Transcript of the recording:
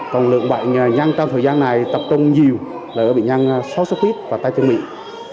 còn lượng bệnh nhân trong thời gian này tập trung nhiều là ở bệnh nhân sốt xuất huyết và tay chân miệng